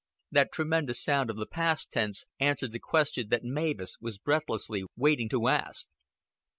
That tremendous sound of the past tense answered the question that Mavis was breathlessly waiting to ask.